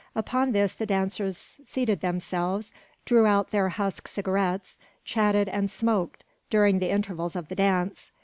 Upon this the dancers seated themselves, drew out their husk cigarettes, chatted, and smoked, during the intervals of the dance.